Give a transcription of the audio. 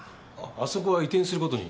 あそこは移転する事に。